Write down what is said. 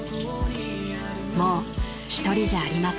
［もうひとりじゃありません］